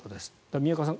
宮川さん